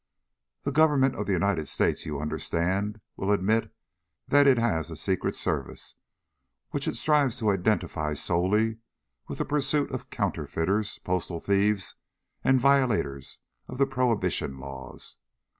The Government of the United States, you understand, will admit that it has a Secret Service, which it strives to identify solely with the pursuit of counterfeiters, postal thieves, and violators of the prohibition laws.